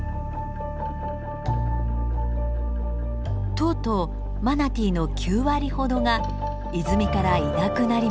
とうとうマナティーの９割ほどが泉からいなくなりました。